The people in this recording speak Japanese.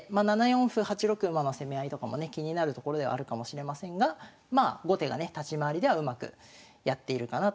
７四歩８六馬の攻め合いとかもね気になるところではあるかもしれませんがまあ後手がね立ち回りではうまくやっているかなという感じです。